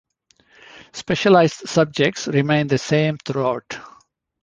Specialised subjects remain the same throughout.